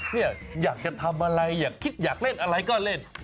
เนี่ยอยากจะทำอะไรอยากคิดอยากเล่นอะไรก็เล่น